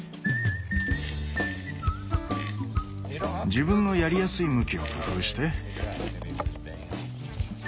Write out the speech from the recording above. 自分のやりやすい向きを工夫して。